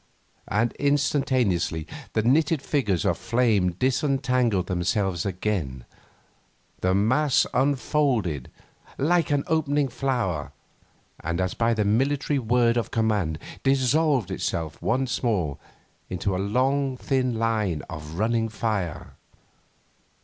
And instantaneously the knitted figures of flame disentangled themselves again, the mass unfolded like an opening flower, and, as by a military word of command, dissolved itself once more into a long thin line of running fire.